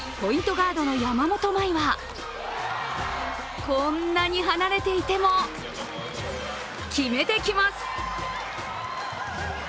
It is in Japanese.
ガードの山本麻衣はこんなに離れていても決めてきます。